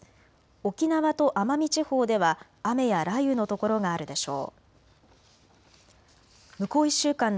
沖縄と奄美地方では雨や雷雨の所があるでしょう。